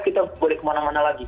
kita boleh kemana mana lagi